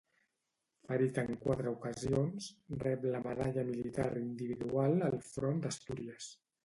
Ferit en quatre ocasions, rep la Medalla Militar Individual al front d'Astúries.